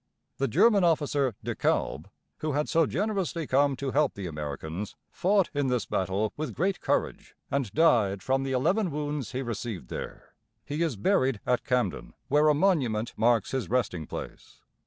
The German officer De Kalb, who had so generously come to help the Americans, fought in this battle with great courage, and died from the eleven wounds he received there. He is buried at Camden, where a monument marks his resting place.